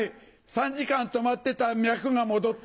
３時間止まってた脈が戻った。